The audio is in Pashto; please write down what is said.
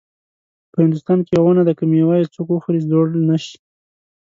په هندوستان کې یوه ونه ده که میوه یې څوک وخوري زوړ نه شي.